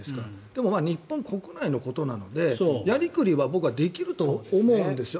でも、日本国内のことなのでやりくりは僕はできると思うんです。